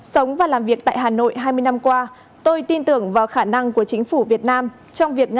sống và làm việc tại hà nội hai mươi năm qua tôi tin tưởng vào khả năng của chính phủ việt nam trong việc